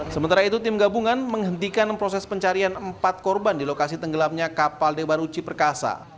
sementara itu tim gabungan menghentikan proses pencarian empat korban di lokasi tenggelamnya kapal dewa ruci perkasa